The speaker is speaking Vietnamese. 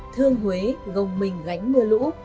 thương huế gồng mình gánh mưa lũ